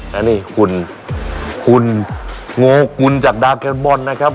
แล้วนี่หุ่นหุ่นงูกหุ่นจากดาบแคร์มบอลนะครับ